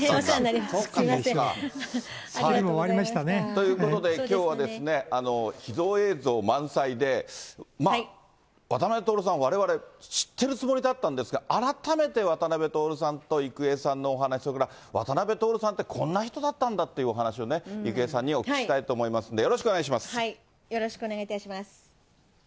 ということで、きょうはですね、秘蔵映像満載で、渡辺徹さん、われわれ、知ってるつもりだったんですが、改めて渡辺徹さんと郁恵さんのお話、それから渡辺徹さんってこんな人だったんだというお話をね、郁恵さんにお聞きしたいと思いますんで、よろしくお願いします。